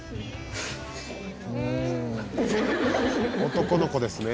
男の子ですね。